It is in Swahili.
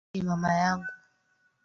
Yule ni mama yangu